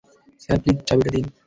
Sir, please চাবিটা দিন।